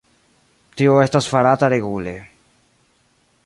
Tio estas farata regule.